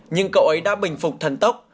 nhưng cậu ấy đã bình phục thần tốc